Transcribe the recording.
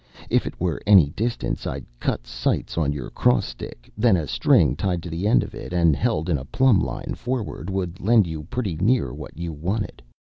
If it were any distance, I’d cut sights on your cross stick; then a string tied to the end of it, and held in a plumb line forward, would lend you pretty near what you wanted.